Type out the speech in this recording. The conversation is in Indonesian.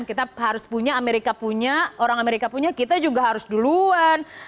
kita harus punya amerika punya orang amerika punya kita juga harus duluan